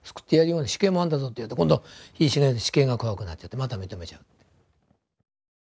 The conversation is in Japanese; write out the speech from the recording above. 死刑もあるんだぞ」と言われると今度死刑が怖くなっちゃってまた認めちゃう。